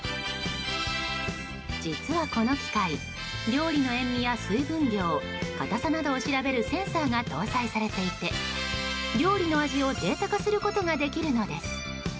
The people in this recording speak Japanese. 実は、この機械料理の塩味や水分量かたさなどを調べるセンサーが搭載されていて料理の味をデータ化することができるのです。